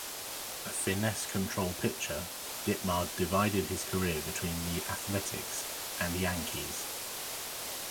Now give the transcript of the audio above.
A finesse control pitcher, Ditmar divided his career between the Athletics and Yankees.